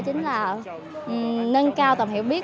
chính là nâng cao tầm hiểu biết